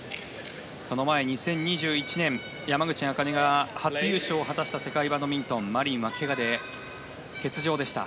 その前２０２１年山口茜が初優勝を果たした世界バドミントンマリンはけがで欠場でした。